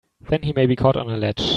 Then he may be caught on a ledge!